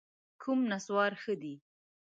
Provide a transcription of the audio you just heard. کوم نسوار ښه دي؟